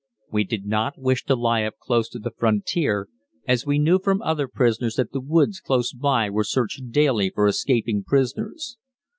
We did not wish to lie up close to the frontier, as we knew from other prisoners that the woods close by were searched daily for escaping prisoners.